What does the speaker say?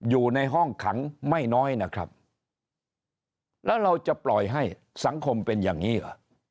อยู่ในห้องขังไม่น้อยนะครับแล้วเราจะปล่อยให้สังคมเป็นอย่างนี้เหรอ